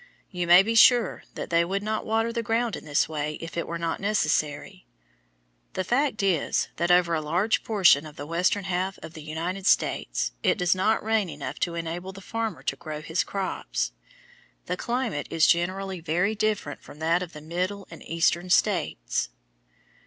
You may be sure that they would not water the ground in this way if it were not necessary. The fact is that over a large portion of the western half of the United States it does not rain enough to enable the farmer to grow his crops. The climate is generally very different from that of the Middle and Eastern States.